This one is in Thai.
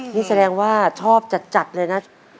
นี่แสดงว่าชอบจัดเลยนะ